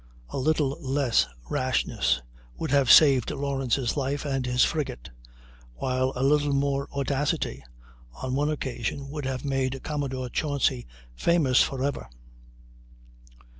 A little less rashness would have saved Lawrence's life and his frigate, while a little more audacity on one occasion would have made Commodore Chauncy famous for ever.